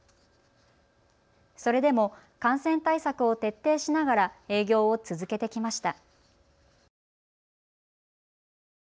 それでも感染対策を徹底しながら営業を続けてきました。